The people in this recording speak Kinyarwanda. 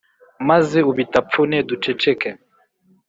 maze ubitapfune duceceke